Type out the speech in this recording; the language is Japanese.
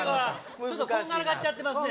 ちょっとこんがらがっちゃってますね